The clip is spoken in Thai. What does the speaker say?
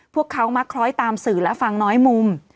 พวกเขามักคล้อยตามสื่อและฟังน้อยมุม